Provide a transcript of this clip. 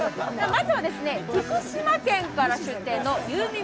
まずは福島県から出店の優味